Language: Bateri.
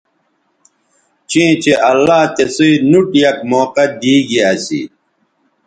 چیں چہء اللہ تسئ نوٹ یک موقعہ دی گی اسی